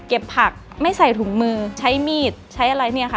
เก็บผักไม่ใส่ถุงมือใช้มีดใช้อะไร